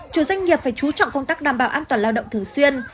chủ doanh nghiệp phải chú trọng công tác đảm bảo an toàn lao động thường xuyên